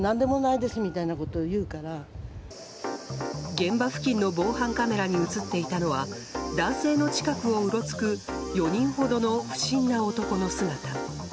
現場付近の防犯カメラに映っていたのは男性の近くをうろつく４人ほどの不審な男の姿。